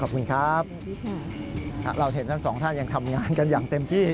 ขอบคุณครับเราเห็นทั้งสองท่านยังทำงานกันอย่างเต็มที่